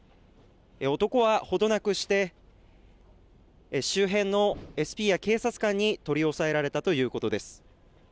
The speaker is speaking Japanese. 男は程なくして周辺のＳＰや警察官に取り押さえられたということです。